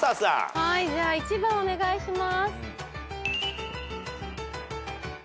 はい１番お願いします。